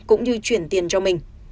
cũng như chuyển tiền cho mình